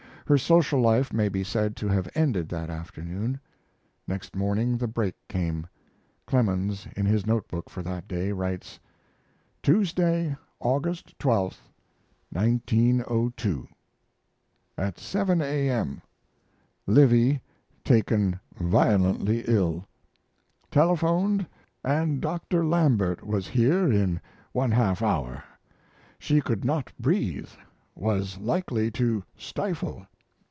Her social life may be said to have ended that afternoon. Next morning the break came. Clemens, in his notebook for that day, writes: Tuesday, August 12, 1902. At 7 A.M. Livy taken violently ill. Telephoned and Dr. Lambert was here in 1/2 hour. She could not breathe was likely to stifle.